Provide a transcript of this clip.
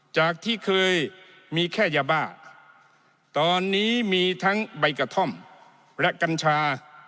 จากที่เคยมีแค่ยาบ้าตอนนี้มีทั้งใบกระท่อมและกัญชา